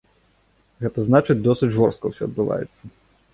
Гэта значыць, досыць жорстка ўсё адбываецца.